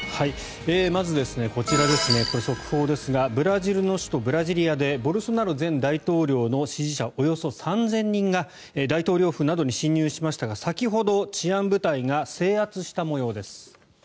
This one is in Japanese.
まず、こちら速報ですがブラジルの首都ブラジリアでボルソナロ前大統領の支持者およそ３０００人が大統領府などに侵入しましたが先ほど治安部隊が制圧した模様です。